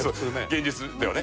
現実ではね。